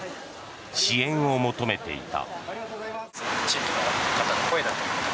支援を求めていた。